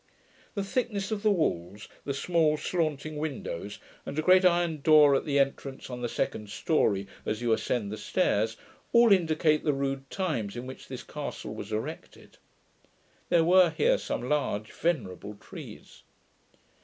The thickness of the walls, the small slaunting windows, and a great iron door at the entrance on the second story as you ascend the stairs, all indicate the rude times in which this castle was erected. There were here some large venerable trees.